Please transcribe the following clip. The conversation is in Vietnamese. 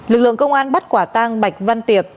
lực lượng công an bắt quả tang bạch văn tiệp